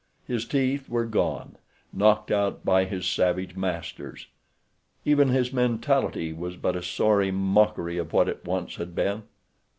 His teeth were gone—knocked out by his savage masters. Even his mentality was but a sorry mockery of what it once had been.